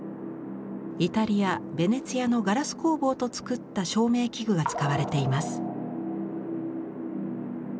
イタリアベネチアのガラス工房とつくった照明器具が使われています。